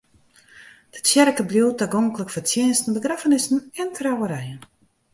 De tsjerke bliuwt tagonklik foar tsjinsten, begraffenissen en trouwerijen.